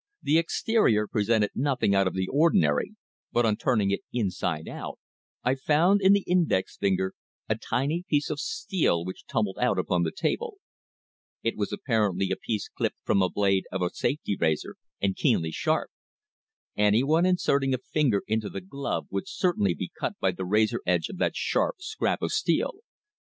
The exterior presented nothing out of the ordinary, but on turning it inside out, I found in the index finger a tiny piece of steel which tumbled out upon the table. It was apparently a piece clipped from the blade of a safety razor, and keenly sharp. Anyone inserting a finger into the glove would certainly be cut by the razor edge of that sharp scrap of steel.